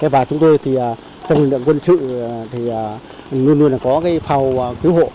và chúng tôi thì trong lực lượng quân sự thì luôn luôn là có cái phào cứu hộ